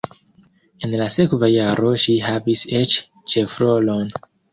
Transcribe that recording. En la sekva jaro ŝi havis eĉ ĉefrolon.